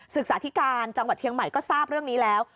ศึกษาธิการจังหวัดเชียงใหม่ก็ทราบเรื่องนี้แล้ว